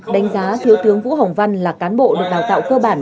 đánh giá thiếu tướng vũ hồng văn là cán bộ được đào tạo cơ bản